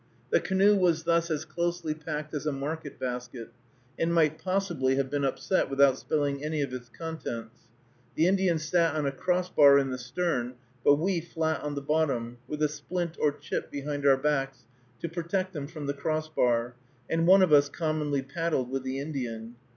The canoe was thus as closely packed as a market basket, and might possibly have been upset without spilling any of its contents. The Indian sat on a cross bar in the stern, but we flat on the bottom, with a splint or chip behind our backs, to protect them from the cross bar, and one of us commonly paddled with the Indian.